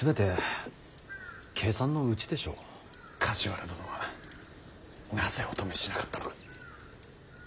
梶原殿はなぜお止めしなかったのか。